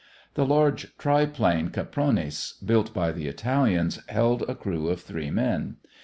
The large triplane Capronis built by the Italians held a crew of three men.